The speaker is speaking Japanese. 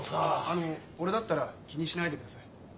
あの俺だったら気にしないでください。